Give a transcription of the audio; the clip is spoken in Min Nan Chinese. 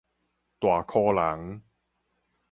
大箍人